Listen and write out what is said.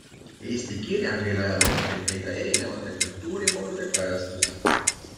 Eesti kirjakeele ajaloost võib leida erinevate kultuurivoolude kajastusi.